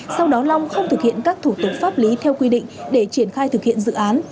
sau đó long không thực hiện các thủ tục pháp lý theo quy định để triển khai thực hiện dự án